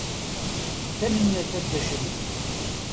Tanemmirt a Dda Crif.